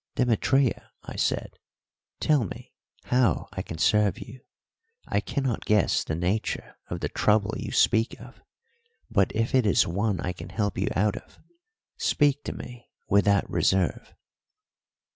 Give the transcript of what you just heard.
"Demetria," I said, "tell me how I can serve you? I cannot guess the nature of the trouble you speak of, but if it is one I can help you out of, speak to me without reserve."